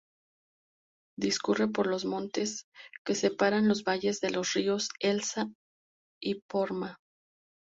Discurre por los montes que separan los Valles de los ríos Esla y Porma.